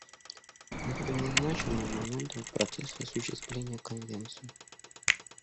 Это было значимым моментом в процессе осуществления Конвенции.